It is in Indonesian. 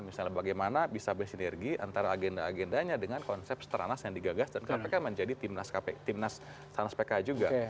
misalnya bagaimana bisa bersinergi antara agenda agendanya dengan konsep seteranas yang digagas dan kpk menjadi timnas sanas pk juga